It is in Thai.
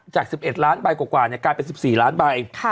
จาก๑๑ล้านใบกว่ากลายเป็น๑๔ล้านใบ